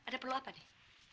ada perlu apa nih